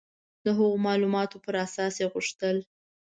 د هغو معلوماتو په اساس یې غوښتل.